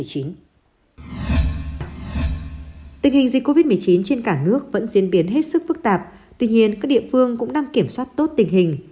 tình hình dịch covid một mươi chín trên cả nước vẫn diễn biến hết sức phức tạp tuy nhiên các địa phương cũng đang kiểm soát tốt tình hình